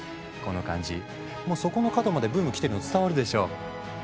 この感じもうそこの角までブーム来てるの伝わるでしょ？